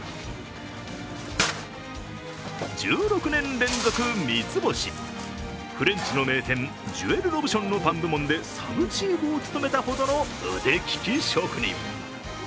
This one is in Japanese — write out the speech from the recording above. １６年連続三つ星、フレンチの名店、ジョエル・ロブションのパン部門でサブチーフを務めたほどの腕利き職人。